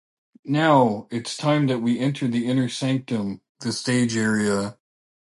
Now, it's time that we enter the inner sanctum, the stage area.